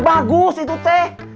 bagus itu teh